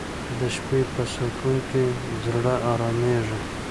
د شپې په سکون کې زړه آرامیږي